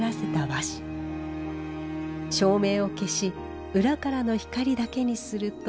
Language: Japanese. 照明を消し裏からの光だけにすると。